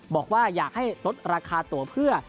บอกว่าอยากให้ลดราคาตัวเพื่อ